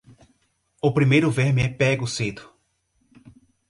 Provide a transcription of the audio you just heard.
O primeiro verme é pego cedo.